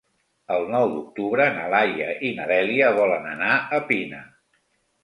El nou d'octubre na Laia i na Dèlia volen anar a Pina.